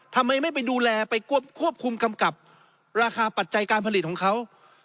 ทำไมไม่ไปดูแลไปควบคุมกำกับราคาปัจจัยการผลิตของเขา